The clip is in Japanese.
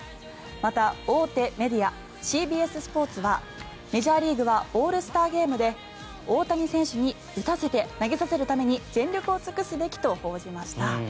また、大手メディアＣＢＳスポーツはメジャーリーグはオールスターゲームで大谷選手に打たせて投げさせるために全力を尽くすべきと報じました。